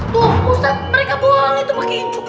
tuh ustadz mereka bohong itu pakai incuk itu